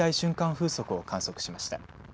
風速を観測しました。